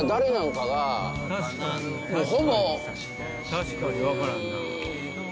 確かに分からんな。